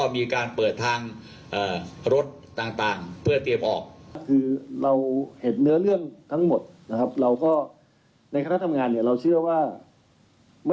ไม่ได้เป็นการเตรียมการนะครับแต่เป็นการที่กำนันเนี่ยรู้สึกว่า